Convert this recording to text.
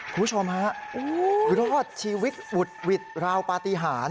คุณผู้ชมฮะรอดชีวิตอุดหวิดราวปฏิหาร